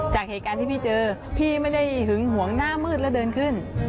จากเหตุการณ์ที่พี่เจอพี่ไม่ได้หึงหวงหน้ามืดแล้วเดินขึ้น